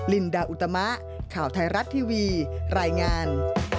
ลินดาอุตมะข่าวไทยรัฐทีวีรายงาน